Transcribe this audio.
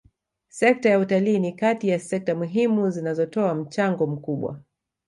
Sekta ya utalii ni kati ya sekta muhimu zinazotoa mchango mkubwa